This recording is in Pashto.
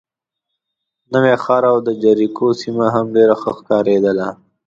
نوی ښار او د جریکو سیمه هم ډېره ښه ښکارېده.